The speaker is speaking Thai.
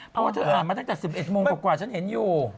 เพราะว่าเธออ่านมาตั้งแต่๑๑โมงกว่าฉันเห็นอยู่